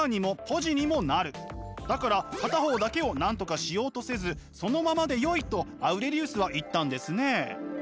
だから片方だけをなんとかしようとせずそのままでよいとアウレリウスは言ったんですね。